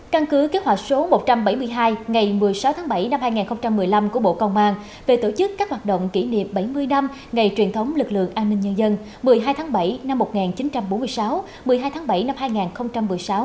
căn cứ kế hoạch số một trăm bảy mươi hai ngày một mươi sáu tháng bảy năm hai nghìn một mươi năm của bộ công an về tổ chức các hoạt động kỷ niệm bảy mươi năm ngày truyền thống lực lượng an ninh nhân dân một mươi hai tháng bảy năm một nghìn chín trăm bốn mươi sáu một mươi hai tháng bảy năm hai nghìn một mươi sáu